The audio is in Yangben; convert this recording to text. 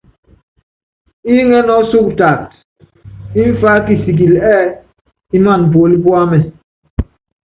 Iŋɛ́nɛ́ ɔsúkɔ taata, mfá kisiili ɛ́ɛ́ ímaná puólí púamɛ.